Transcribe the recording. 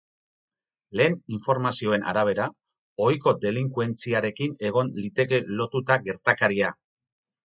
Lehen informazioen arabera, ohiko delinkuentziarekin egon liteke lotuta gertakaria.